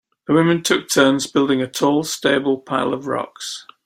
The women took turns building a tall stable pile of rocks.